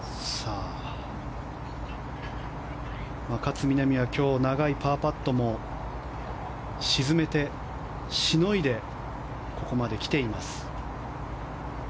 勝みなみは今日長いパーパットも沈めてしのいで、ここまで来ています。